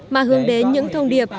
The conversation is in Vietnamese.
mà hướng đến những thông điệp